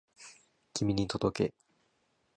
君に届け